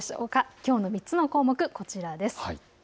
きょうの３つの項目、こちらです。